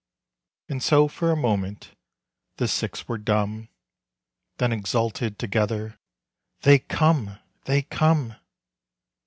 _ And so for a moment the six were dumb, Then exulted together, _They come, they come!